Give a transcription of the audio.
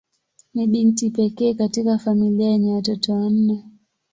Ni binti pekee katika familia yenye watoto nane.